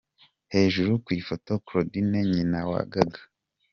Hejuru ku ifoto : Claudine Nyinawagaga.